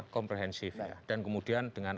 komprehensif dan kemudian dengan